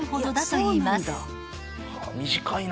短いな。